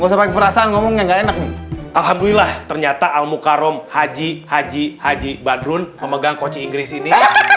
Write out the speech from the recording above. alhamdulillah ternyata al mukarram haji haji haji badrun pemegang kociraka ini